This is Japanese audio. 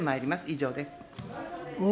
以上です。